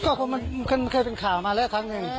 ก็มีเคยเป็นข่าวมาแล้วแหละครั้งนึง